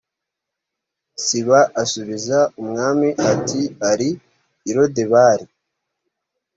siba asubiza umwami ati ari i lodebari